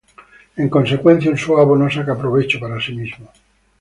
En consecuencia, un suabo no saca provecho para sí mismo.